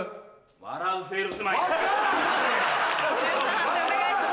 判定お願いします。